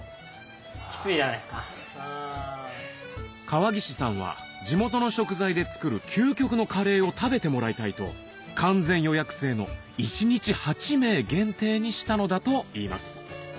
川岸さんは地元の食材で作る究極のカレーを食べてもらいたいと完全予約制の一日８名限定にしたのだといいます